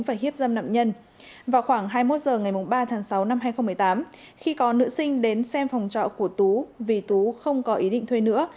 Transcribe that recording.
và hiếp dâm vào khoảng hai mươi một h ngày ba tháng sáu năm hai nghìn một mươi tám khi có nữ sinh đến xem phòng trọ của tú vì tú không có ý định thuê nữa